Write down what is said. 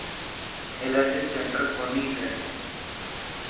ايلرجي سينٽر ڪون هي.